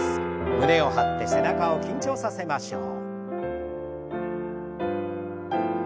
胸を張って背中を緊張させましょう。